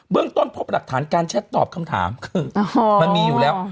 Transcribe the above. เรื่องต้นพบหลักฐานการแชทตอบคำถามคือมันมีอยู่แล้ว